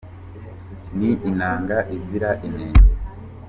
Ni inanga izira inenge